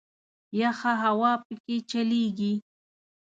یخه هوا په کې چلیږي.